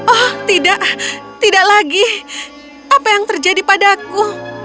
oh tidak tidak lagi apa yang terjadi padaku